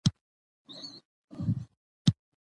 هوښیار سړی له تېروتنو زده کړه کوي.